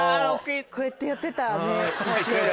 こうやってやってたね